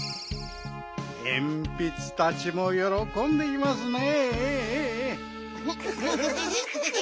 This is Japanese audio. えんぴつたちもよろこんでいますね。